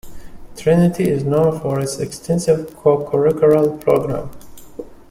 Trinity is known for its extensive co-curricular program.